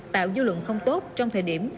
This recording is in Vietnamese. tạo dư luận không tốt trong thời điểm